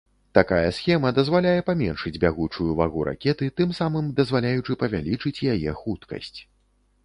Такая схема дазваляе паменшыць бягучую вагу ракеты, тым самым дазваляючы павялічыць яе хуткасць.